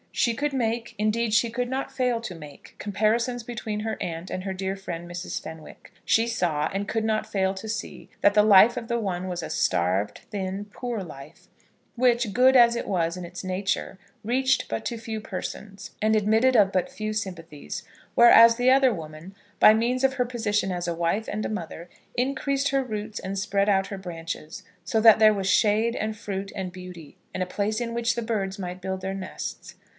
She could make, indeed, she could not fail to make, comparisons between her aunt and her dear friend, Mrs. Fenwick. She saw, and could not fail to see, that the life of the one was a starved, thin, poor life, which, good as it was in its nature, reached but to few persons, and admitted but of few sympathies; whereas the other woman, by means of her position as a wife and a mother, increased her roots and spread out her branches, so that there was shade, and fruit, and beauty, and a place in which the birds might build their nests.